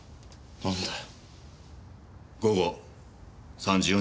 なんだよ！